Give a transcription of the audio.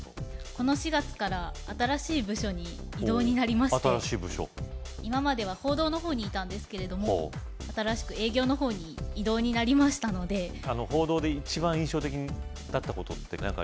この４月から新しい部署に異動になりまして今までは報道のほうにいたんですけれども新しく営業のほうに異動になりましたので報道で一番印象的だったことって何かありますか？